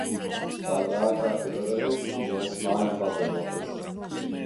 Tā gāja kārtējo reizi uz mūsu mājām paciemoties.